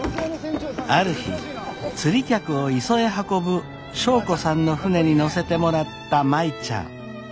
ある日釣り客を磯へ運ぶ祥子さんの船に乗せてもらった舞ちゃん。